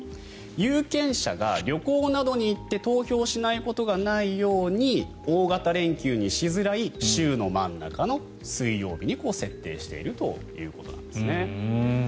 有権者が旅行などに行って投票しないことがないように大型連休にしづらい週の真ん中の水曜日に設定しているということなんです。